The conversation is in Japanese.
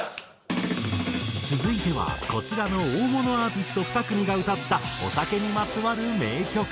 続いてはこちらの大物アーティスト２組が歌ったお酒にまつわる名曲。